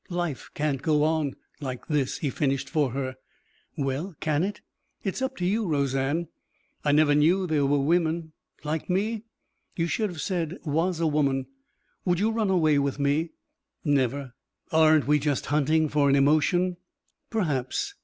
"Life can't go on " "Like this," he finished for her. "Well can it?" "It's up to you, Roseanne. I never knew there were women " "Like me? You should have said 'was a woman.'" "Would you run away with me?" "Never." "Aren't we just hunting for an emotion?" "Perhaps.